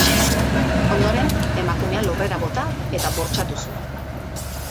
Ondoren, emakumea lurrera bota eta bortxatu zuen.